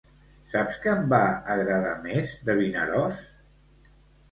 Saps què em va agradar més de Vinaròs?